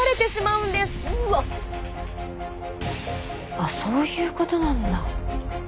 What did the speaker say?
あそういうことなんだ。